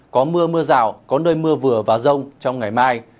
có mưa mưa rào có nơi mưa vừa và rông trong ngày mai